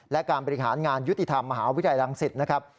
และการบริหารงานยุติธรรมมหาวิทยาลัยรังสิตนะครับ